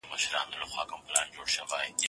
زه پرون کالي مينځلي،